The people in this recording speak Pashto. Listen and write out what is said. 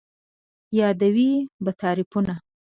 یادوې به تعريفونه